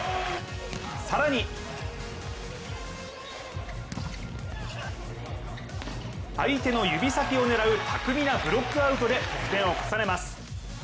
更に相手の指先を狙う巧みなブロックアウトで得点を重ねます。